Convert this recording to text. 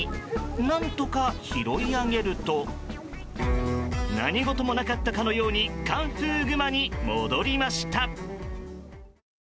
何とか拾い上げると何事もなかったかのようにカンフーグマに戻りました。